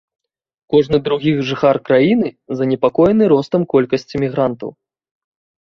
Кожны другі жыхар краіны занепакоены ростам колькасці мігрантаў.